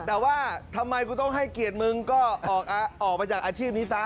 แต่ว่าทำไมกูต้องให้เกียรติมึงก็ออกมาจากอาชีพนี้ซะ